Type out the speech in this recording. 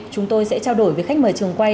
chúng tôi sẽ trao đổi với khách mời trường quay